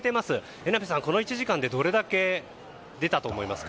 榎並さん、この１時間でどれだけ出たと思いますか？